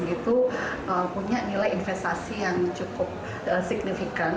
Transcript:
itu punya nilai investasi yang cukup signifikan